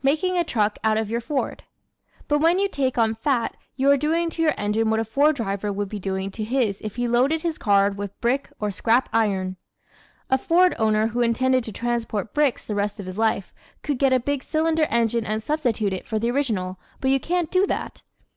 Making a Truck out of Your Ford ¶ But when you take on fat you are doing to your engine what a Ford driver would be doing to his if he loaded his car with brick or scrap iron. A Ford owner who intended to transport bricks the rest of his life could get a big cylinder engine and substitute it for the original but you can't do that.